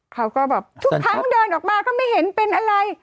เขาก็แบบทุกครั้งเดินออกมาก็ไม่เห็นเป็นอะไร